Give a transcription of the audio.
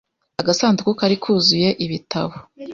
Agasanduku kari kuzuye ibitabo .